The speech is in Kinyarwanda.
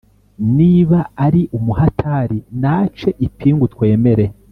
niba ari umuhatari nace ipingu twemere>>